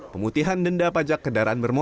pemutihan denda pajak kendaraan